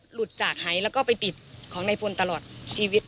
หลุดจากหายแล้วก็ไปติดของนายพลตลอดชีวิต